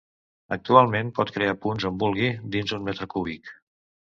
Actualment pot crear punts on vulgui dins un metre cúbic.